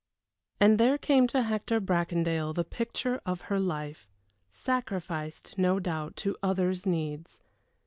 And there came to Hector Bracondale the picture of her life sacrificed, no doubt, to others' needs.